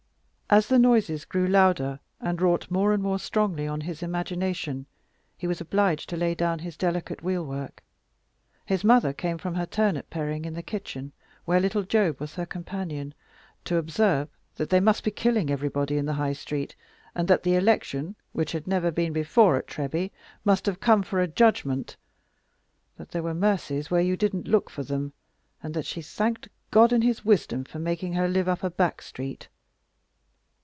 As the noises grew louder, and wrought more and more strongly on his imagination, he was obliged to lay down his delicate wheel work. His mother came from her turnip paring, in the kitchen, where little Job was her companion, to observe that they must be killing everybody in the High Street, and that the election, which had never been before at Treby, must have come for a judgment; that there were mercies where you didn't look for them, and that she thanked God in His wisdom for making her live up a back street.